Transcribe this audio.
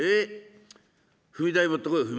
踏み台持ってこい踏み台」。